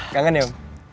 kangen ya om